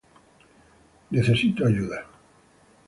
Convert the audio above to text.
Necesito ayuda.